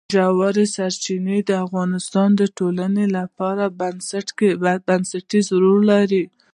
ژورې سرچینې د افغانستان د ټولنې لپاره بنسټيز رول لري.